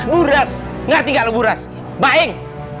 buras ngerti gak lo buras baing